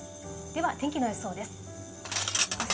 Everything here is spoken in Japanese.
では天気の予想です。